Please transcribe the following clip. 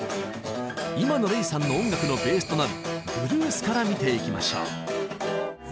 今のＲｅｉさんの音楽のベースとなるブルースから見ていきましょう。